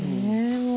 もう。